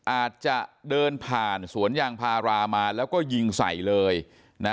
อาจจะเดินผ่านสวนยางพารามาแล้วก็ยิงใส่เลยนะ